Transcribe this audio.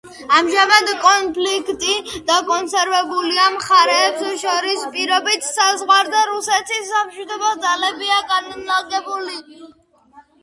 ამჟამად კონფლიქტი დაკონსერვებულია, მხარეებს შორის პირობით საზღვარზე რუსეთის სამშვიდობო ძალებია განლაგებული.